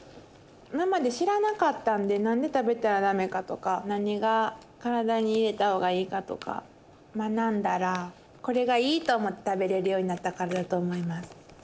今まで知らなかったんで何で食べたら駄目かとか何が体に入れた方がいいかとか学んだらこれがいいと思って食べれるようになったからだと思います。